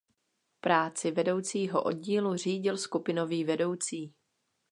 Práci vedoucího oddílu řídil skupinový vedoucí.